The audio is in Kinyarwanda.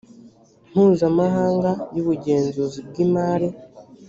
mpuzamahanga y ubugenzuzi bw imari